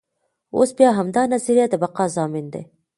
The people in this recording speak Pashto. اوس بیا همدا نظریه د بقا ضامن دی.